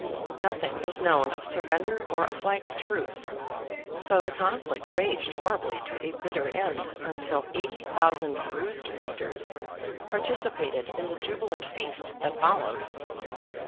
Nothing is known of surrender or a flag of truce, so the conflict raged horribly to a bitter end until eighty thousand bruised victors participated in the jubilant feast that followed.